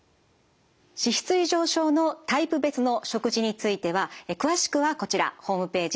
脂質異常症のタイプ別の食事については詳しくはこちらホームページ